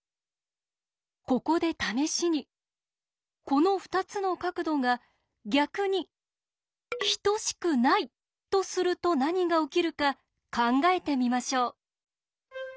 ここで試しにこの２つの角度が逆に等しくないとすると何が起きるか考えてみましょう。